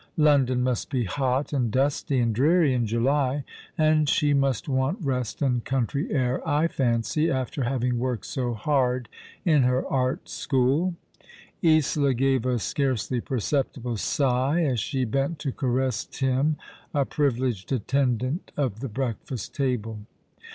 "London must be hot, and dusty, and dreary in July, and she must want rest and country air, I fancy, after having worked so hard in her art school." Isola gave a scarcely perceptible sigh as she bent to caress Tim, a privileged attendant of the breakfast table.